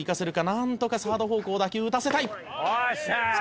「なんとかサード方向だけ打たせたい」